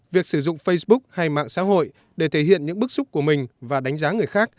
việc sử dụng facebook hay mạng xã hội để thể hiện những bức xúc của mình và đánh giá người khác